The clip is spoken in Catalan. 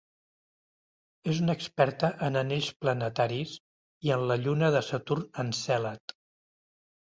És una experta en anells planetaris i en la lluna de Saturn Encèlad.